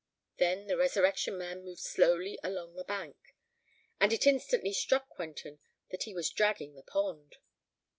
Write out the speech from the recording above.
Then the Resurrection Man moved slowly along the bank; and it instantly struck Quentin that he was dragging the pond.